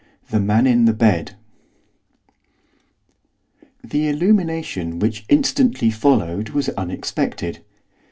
THE MAN IN THE BED The illumination which instantly followed was unexpected.